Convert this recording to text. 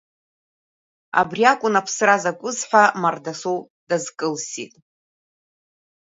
Абри акәын аԥсра закәыз ҳәа Мардасоу дазкылсит.